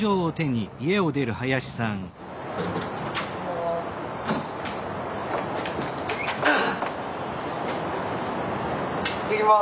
いってきます。